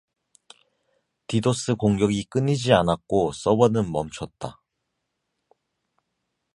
디도스 공격이 끊이지 않았고 서버는 멈췄다.